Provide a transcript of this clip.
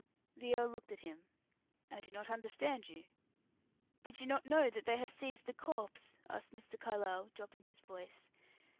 The earl looked at him. "I do not understand you." "Did you not know that they have seized the corpse?" asked Mr. Carlyle, dropping his voice.